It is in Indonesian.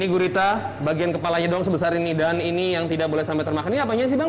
ini gurita bagian kepalanya doang sebesar ini dan ini yang tidak boleh sampai termakan ini apanya sih bang